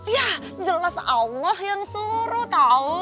ya jelas allah yang suruh tahu